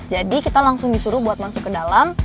jadi kita langsung disuruh buat masuk ke dalam